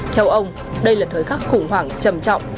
theo ông đây là thời khắc khủng hoảng trầm trọng